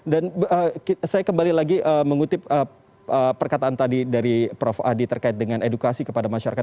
dan saya kembali lagi mengutip perkataan tadi dari prof adi terkait dengan edukasi kepada masyarakat